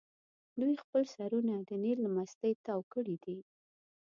دوی خپل سرونه د نیل له مستۍ تاو کړي دي.